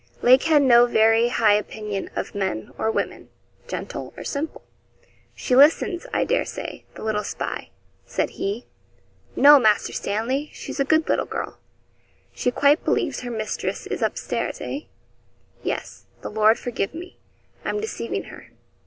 Lake had no very high opinion of men or women, gentle or simple. 'She listens, I dare say, the little spy,' said he. 'No, Master Stanley! She's a good little girl.' 'She quite believes her mistress is up stairs, eh?' 'Yes; the Lord forgive me I'm deceiving her.'